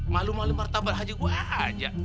malu malu martabal haji gue aja